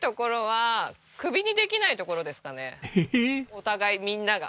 お互いみんなが。